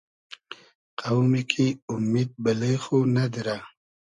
قۆمی کی اومید بئلې خو نئدیرۂ